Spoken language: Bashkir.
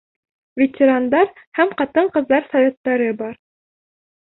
Ветерандар һәм ҡатын-ҡыҙҙар советтары бар.